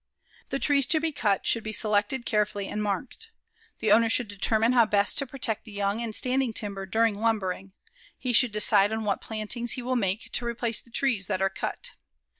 The trees to be cut should be selected carefully and marked. The owner should determine how best to protect the young and standing timber during lumbering. He should decide on what plantings he will make to replace the trees that are cut.